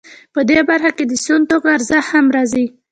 په دې برخه کې د سون توکو ارزښت هم راځي